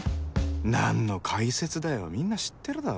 何の解説だよみんな知ってるだろ